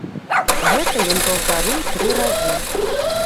Гэта ён паўтарыў тры разы.